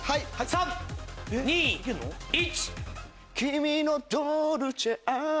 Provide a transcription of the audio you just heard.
３・２・１。